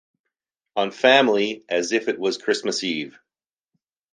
On family, as if it was Christmas Eve.